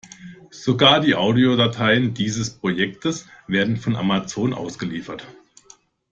Sogar die Audiodateien dieses Projektes werden von Amazon ausgeliefert.